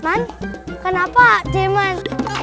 man kenapa jeman